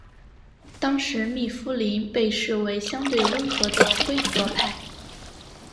当时密夫林被视为相对温和的辉格派。